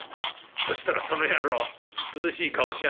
そしたらその野郎涼しい顔しやがってよ」。